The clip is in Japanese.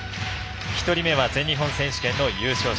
１人目は全日本選手権の優勝者。